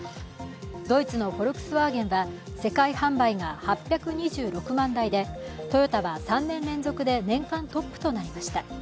ドイツのフォルクスワーゲンは世界販売が８２６万台でトヨタは３年連続で年間トップとなりました。